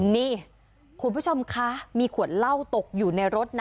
นี่คุณผู้ชมคะมีขวดเหล้าตกอยู่ในรถนะ